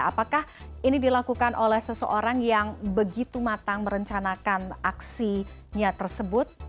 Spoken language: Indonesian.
apakah ini dilakukan oleh seseorang yang begitu matang merencanakan aksinya tersebut